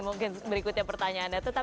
mungkin berikutnya pertanyaan itu